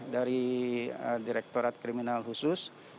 dari direktorat kriminal khusus